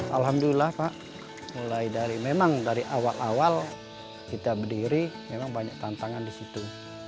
alhamdulillah pak mulai dari memang dari awal awal kita berdiri memang banyak tantangan di situ